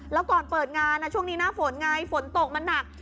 แล้วก่อนเปิดงานช่วงนี้หน้าฝนไงฝนตกมันหนัก